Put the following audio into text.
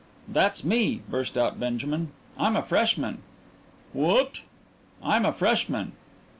"That's me!" burst out Benjamin. "I'm a freshman." "What!" "I'm a freshman."